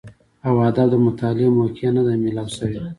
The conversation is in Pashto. او ادب د مطالعې موقع نۀ ده ميلاو شوې